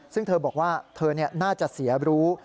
ซึ่งเธอบอกว่าเธอน่าจะเสียรู้